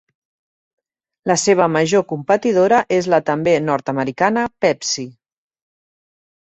La seva major competidora és la també nord-americana Pepsi.